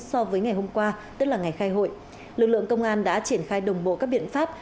so với ngày hôm qua tức là ngày khai hội lực lượng công an đã triển khai đồng bộ các biện pháp